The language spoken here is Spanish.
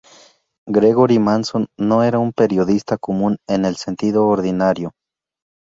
Gregory Mason no era un periodista común en el sentido ordinario.